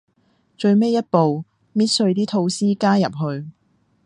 最尾一步，搣碎啲吐司加入去